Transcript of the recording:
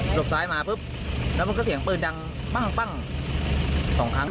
เดี๋ยวซ้ายมาแล้วผมก็เสียงเปลือนดังปั้งสองครั้ง